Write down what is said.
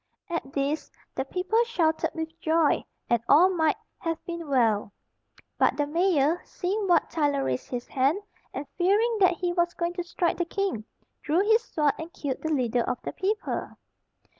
At this, the people shouted with joy, and all might have been well; but the mayor, seeing Wat Tyler raise his hand, and fearing that he was going to strike the king, drew his sword, and killed the leader of the people.